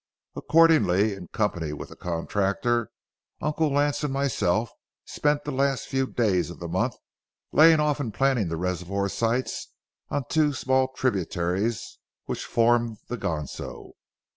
Accordingly in company with the contractor, Uncle Lance and myself spent the last few days of the month laying off and planning the reservoir sites on two small tributaries which formed the Ganso.